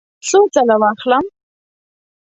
څو ځله واخلم؟